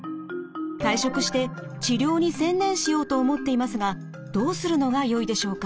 退職して治療に専念しようと思っていますがどうするのがよいでしょうか？」。